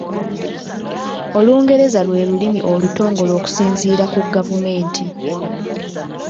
Olungereza lwe lulimi olutongole okusinzira ku gavumenti.